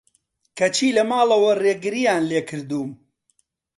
کەچی لە ماڵەوە رێگریان لێکردووم